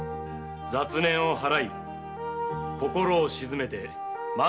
雑念を払い心を静めて己を正す。